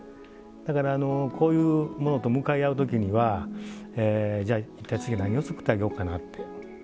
だから、こういうものと向かい合うときにはじゃあ、一体次は何を作ってあげようかなって。